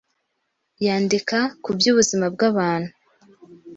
yandika ku by'ubuzima bwabantu